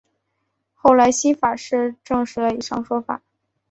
后来法新社证实了以上说法。